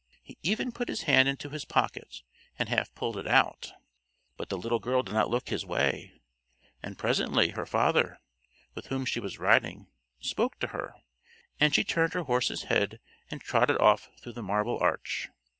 He even put his hand into his pocket and half pulled it out; but the little girl did not look his way, and presently her father, with whom she was riding, spoke to her, and she turned her horse's head and trotted off through the marble arch.